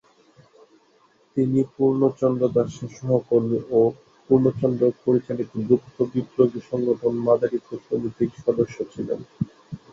তিনি পূর্ণচন্দ্র দাসের সহকর্মী ও পূর্ণচন্দ্র পরিচালিত গুপ্ত বিপ্লবী সংগঠন মাদারিপুর সমিতির সদস্য ছিলেন।